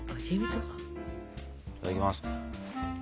いただきます。